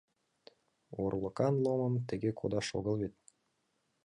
Орлыкан Ломым тыге кодаш огыл вет!